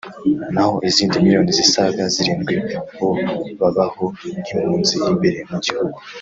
naho izindi miliyoni zisaga zirindwi bo babaho nk’impunzi imbere mu gihugu